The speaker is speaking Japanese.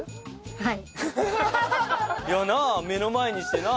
はい。